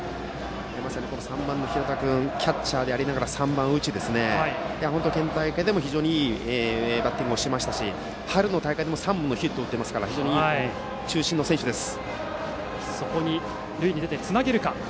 まさに３番の平田君キャッチャーでありながら３番を打ち、県大会でも非常にいいバッティングをしていましたし春の大会でも３本のヒットを打っているので中心の選手です。